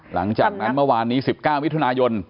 หลังจากนั้นเมื่อวานนี้๑๙มิถุนายน